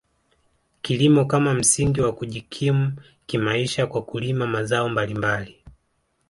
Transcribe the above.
Kilimo kama msingi wa kujikimu kimaisha kwa kulima mazao mbalimbali